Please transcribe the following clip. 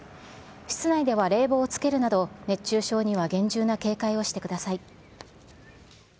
室内では冷房をつけるなど、熱中症には厳重な警戒をしてください。